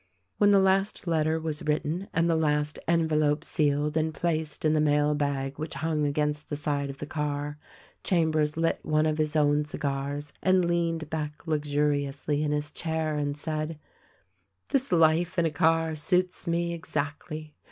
When the last letter was written and the last envelope sealed and placed in the mail bag which hung against the side of the car, Chambers lit one of his own cigars and leaned back luxuriously in his chair and said, "This life in a car suits me exactly.